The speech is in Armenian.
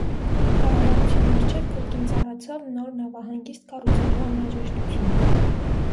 Կառավարության առջև կրկին ծառացավ նոր նավահանգիստ կառուցելու անհրաժեշտություն։